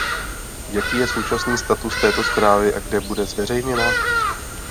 Jaký je současný status této zprávy a kde bude zveřejněna?